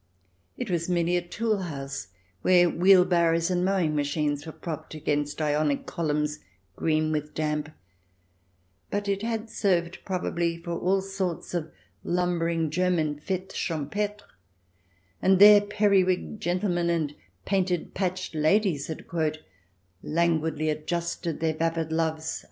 It was merely a tool house where wheelbarrows and mowing machines were propped against Ionic columns green with damp, but it had served probably for all sorts of lumbering German fetes champetres^ and there peri wigged gentlemen and painted, patched ladies had " languidly adjusted their vapid loves."